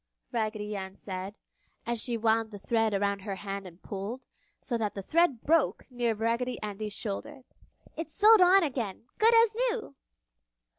Raggedy Ann said, as she wound the thread around her hand and pulled, so that the thread broke near Raggedy Andy's shoulder. "It's sewed on again, good as new!"